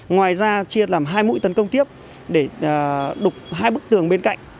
ngoài ra chia làm hai mũi tấn công tiếp để đục hai bức tường bên cạnh